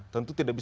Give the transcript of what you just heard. tentu tidak bisa